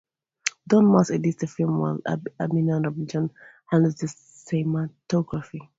Don Max edits the film while Abhinandan Ramanujam handles the cinematography.